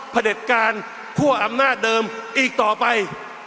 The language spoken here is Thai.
เด็จการคั่วอำนาจเดิมอีกต่อไป